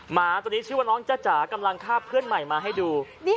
หมาตัวนี้ชื่อว่าน้องจ้าจ๋ากำลังคาบเพื่อนใหม่มาให้ดู